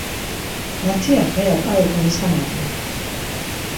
Natiak heya ǩai konisamadu.